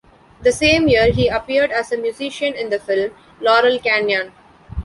The same year, he appeared as a musician in the film "Laurel Canyon".